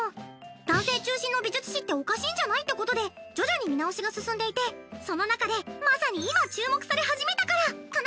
男性中心の美術史っておかしいんじゃない？ってことで徐々に見直しが進んでいてその中でまさに今注目されはじめたからかな。